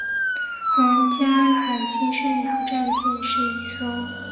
皇家海军胜利号战舰是一艘英国皇家海军的一级风帆战列舰。